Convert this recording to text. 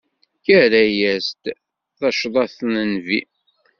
Err-as-d tacḍaṭ n Nnbi.